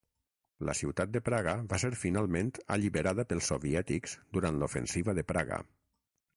La ciutat de Praga va ser finalment alliberada pels soviètics durant l'Ofensiva de Praga.